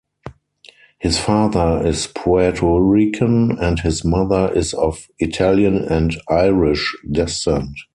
His father is Puerto Rican and his mother is of Italian and Irish descent.